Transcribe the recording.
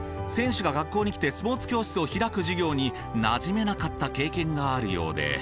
選手が学校に来てスポーツ教室を開く授業になじめなかった経験があるようで。